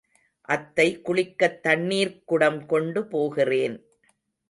அத்தை குளிக்கத் தண்ணீர்க் குடம் கொண்டு போகிறேன்.